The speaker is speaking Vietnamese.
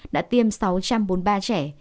đã tiêm sáu trăm bốn mươi ba trẻ